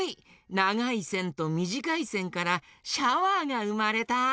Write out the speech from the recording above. ながいせんとみじかいせんからシャワーがうまれた！